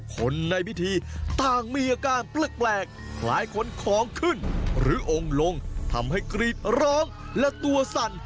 คนในพิธีต่างมีอาการแปลกคล้ายคนของขึ้นหรือองค์ลงทำให้กรีดร้องและตัวสั่น